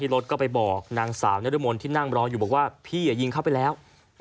ที่รถก็ไปบอกนางสาวนิดนึงมนต์ที่นั่งรออยู่บอกว่าพี่อย่ายิงเข้าไปแล้ว